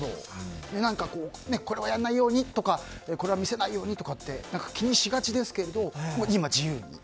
これをやらないようにとかこれは見せないようにとかって気にしがちですけど今、自由に？